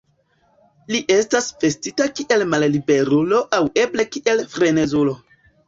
Li estas vestita kiel malliberulo aŭ eble kiel frenezulo.